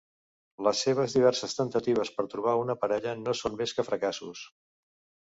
Les seves diverses temptatives per trobar una parella no són més que fracassos.